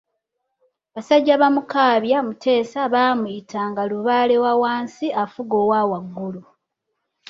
Basajja ba Mukaabya Mutesa baamuyitanga Lubaale wa wansi afuga owa waggulu.